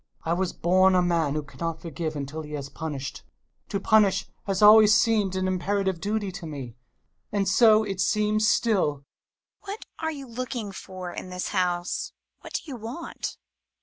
I was bom a man who cannot forgive until he has punished. To punish has always seemed an imperative duty to me — and so it seems still ! Mummy. What are you looking for in this house? What do you want?